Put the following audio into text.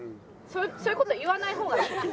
そういう事言わない方がいい？